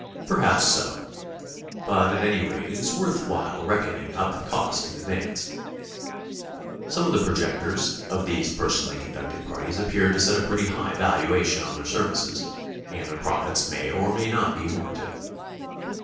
Perhaps so. But at any rate it is worth while reckoning up the cost in advance. Some of the projectors of these personally conducted parties appear to set a pretty high val uation on their services, and their profits may or may not be warranted.